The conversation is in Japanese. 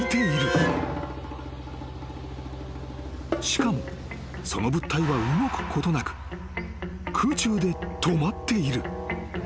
［しかもその物体は動くことなく空中で止まっている］